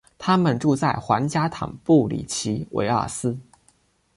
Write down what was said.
他们住在皇家坦布里奇韦尔斯。